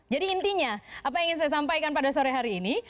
jadi intinya apa yang ingin saya sampaikan pada sore hari ini